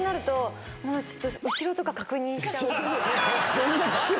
そんな危険なの？